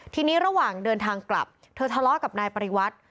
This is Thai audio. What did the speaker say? ทีนี้ระหว่างเดินทางกลับเธอทะเลาะกับนายปริวัติ